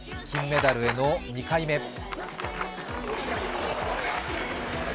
金メダルへの２回目。